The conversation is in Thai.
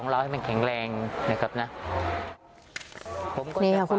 เพราะถ้าไม่ฉีดก็ไม่ได้